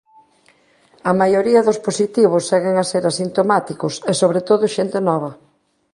A maioría dos positivos seguen a ser asintomáticos e sobre todo xente nova.